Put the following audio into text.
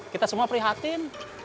kita semua prihatin